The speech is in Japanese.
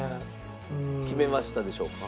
決めましたでしょうか？